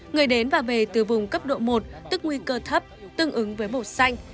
người đến và về từ vùng cấp độ một tức nguy cơ thấp tương ứng với màu xanh